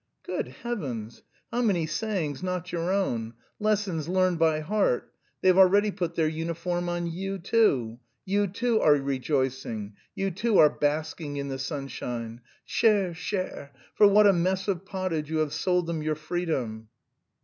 "Good heavens! How many sayings not your own! Lessons learned by heart! They've already put their uniform on you too. You, too, are rejoicing; you, too, are basking in the sunshine. Chère, chère, for what a mess of pottage you have sold them your freedom!"